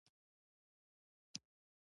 ناسته پاسته، نه دا ممکنه نه وه، خو سبا ماښام.